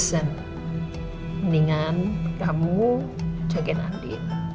mendingan kamu jagain andi